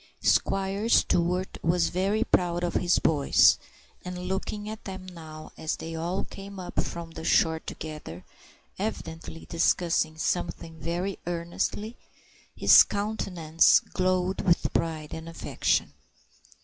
Squire Stewart was very proud of his boys; and looking at them now as they all came up from the shore together, evidently discussing something very earnestly, his countenance glowed with pride and affection.